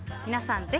皆さん